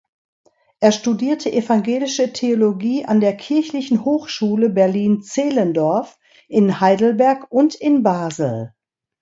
Er studierte evangelische Theologie an der Kirchlichen Hochschule Berlin-Zehlendorf, in Heidelberg und in Basel.